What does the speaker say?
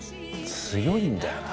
強いんだよな。